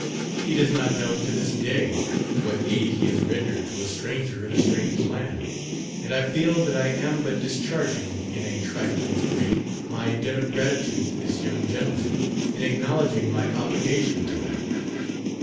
He does not know to this day what aid he has rendered to a stranger in a strange land, and I feel that I am but discharging in a trifling degree, my debt of gratitude to this young gentleman, in acknowledging my obligation to him.